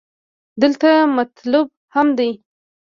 دلته مطلوب اهم دې.